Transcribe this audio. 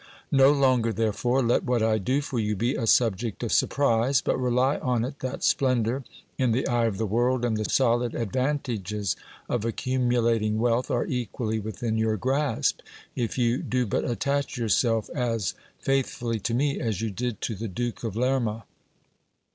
No longer, therefore, let what I do for you be a subject of surprise ; but rely on it that splendour in the eye of the world, and the solid advantages of accumulating wealth, are equally within your grasp, if you do but attach yourself as faithfully to me as you did to the Duke of Lerma.